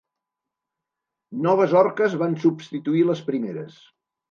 Noves orques van substituir les primeres.